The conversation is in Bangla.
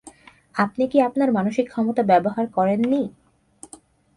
আপনি কি আপনার মানসিক ক্ষমতা ব্যবহার করেন নি।